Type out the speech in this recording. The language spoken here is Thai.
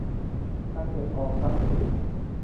การเก็บออมทรัพย์สิน